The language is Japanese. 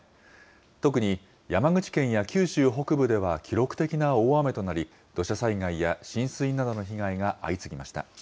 特に、山口県や九州北部では記録的な大雨となり、土砂災害や浸水などの被害が相次ぎました。